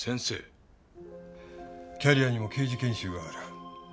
キャリアにも刑事研修がある。